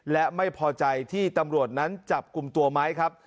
และไม่พอใจที่ตำรวจนั้นจับกลุ่มตัวไม้ครับ